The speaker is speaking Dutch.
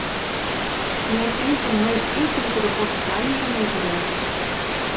U hebt een van de meest ingewikkelde portefeuilles om mee te werken.